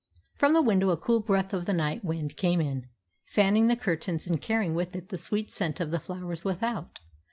From the window a cool breath of the night wind came in, fanning the curtains and carrying with it the sweet scent of the flowers without.